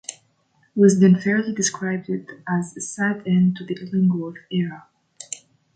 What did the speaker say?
Wisden fairly described it as "a sad end to the Illingworth era".